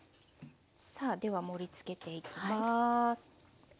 さあでは盛りつけていきます。